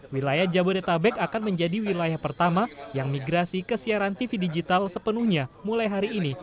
wilayah jabodetabek akan menjadi wilayah pertama yang migrasi ke siaran tv digital sepenuhnya mulai hari ini